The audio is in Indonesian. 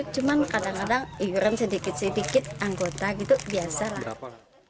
cuman kadang kadang iuran sedikit sedikit anggota gitu biasa lah